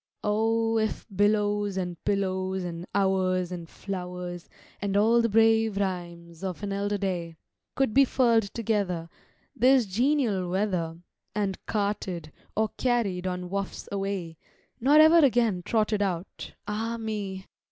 O if billows and pillows and hours and flowers, And all the brave rhymes of an elder day, Could be furled together, this genial weather, And carted, or carried on "wafts" away, Nor ever again trotted out—ah me!